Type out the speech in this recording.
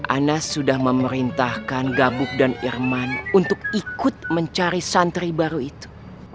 anas sudah memerintahkan gabuk dan irman untuk ikut mencari santri baru itu